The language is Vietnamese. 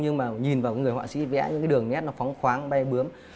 nhưng mà nhìn vào cái người họa sĩ vẽ những cái đường nét nó phóng khoáng bay bướm